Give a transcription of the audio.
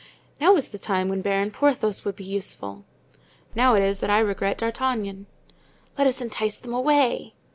"Now is the time when Baron Porthos would be useful." "Now it is that I regret D'Artagnan." "Let us entice them away."